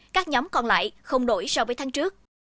các nhóm còn lại không đổi so với tháng trước